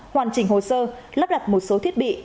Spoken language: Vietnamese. hoàn chỉnh hồ sơ lắp đặt một số thiết bị